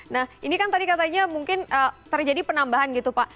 nah ini kan tadi katanya mungkin terjadi penambahan gitu pak